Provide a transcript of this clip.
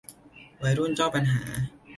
วัยรุ่นเจ้าปัญหา